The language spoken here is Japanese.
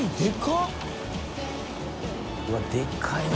うわっでかいわ。